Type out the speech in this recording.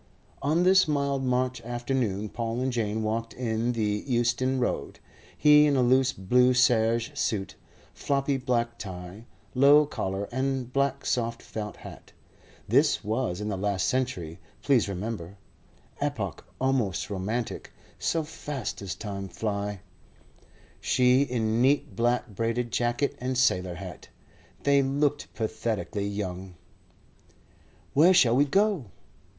On this mild March afternoon Paul and Jane walked in the Euston Road, he in a loose blue serge suit, floppy black tie, low collar and black soft felt hat (this was in the last century, please remember epoch almost romantic, so fast does time fly), she in neat black braided jacket and sailor hat. They looked pathetically young. "Where shall we go?"